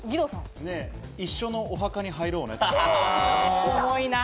一緒のお墓に入ろうね。